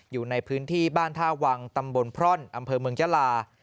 อยู่ในพื้นที่บ้านท่าวังตำบลพร่อนอำเภอเมืองยาลา